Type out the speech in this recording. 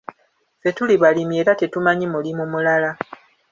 Ffe tuli balimi era tetumanyi mulimu mulala.